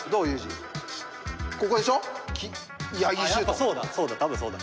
そうだ多分そうだ。